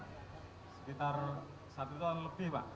sekitar satu ton lebih pak